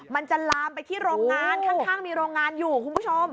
มันจะลามไปที่โรงงานข้างมีโรงงานอยู่คุณผู้ชม